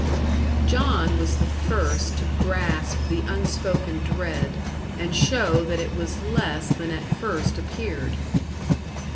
John was the first to grasp the unspoken dread, and show that it was less than at first appeared.